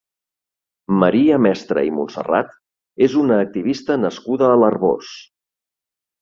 Maria Mestre i Montserrat és una activista nascuda a l'Arboç.